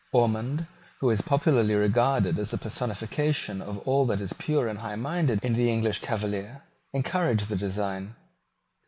Ormond, who is popularly regarded as the personification of all that is pure and highminded in the English Cavalier, encouraged the design.